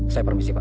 saya permisi pak